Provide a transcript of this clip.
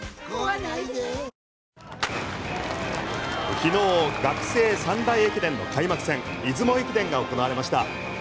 昨日、学生三大駅伝の開幕戦出雲駅伝が行われました。